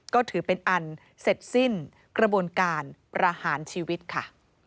ก็ถือเป็นอันเสร็จสิ้นกระบวนการประหารชีวิตค่ะ